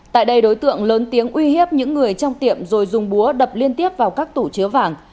tại đây đối tượng lớn tiếng uy hiếp những người trong tiệm rồi dùng búa đập liên tiếp vào các tủ chứa vàng